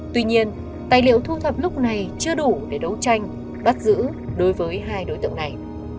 tuy nhiên tài liệu thu thập lúc này chưa đủ để đấu tranh bắt giữ đối với hai đối tượng này